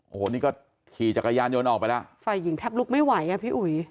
โอ้โหนี่ก็ขี่จักรยานยนต์ออกไปแล้วฝ่ายหญิงแทบลุกไม่ไหวอ่ะพี่อุ๋ย